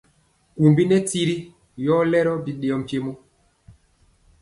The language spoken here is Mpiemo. Kumbi nɛ tiri yɔ lero bidɛɛɔ mpiemo.